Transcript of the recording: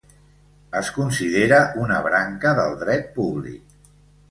Es considera una branca del Dret públic.